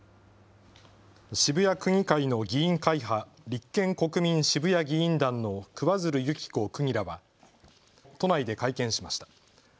渋谷区議会の議員会派立憲・国民渋谷議員団の桑水流弓紀子区議らは、都内で会見しました。